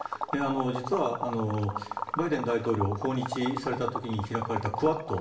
実は、バイデン大統領訪日された時に開かれたクアッド。